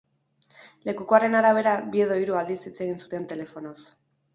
Lekukoaren arabera, bi edo hiru aldiz hitz egin zuten telefonoz.